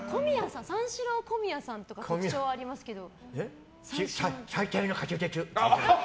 三四郎の小宮さんとか特徴ありますけど。